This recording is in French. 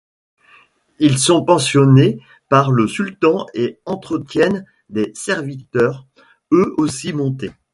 Ils sont pensionnés par le sultan et entretiennent des serviteurs eux aussi montés.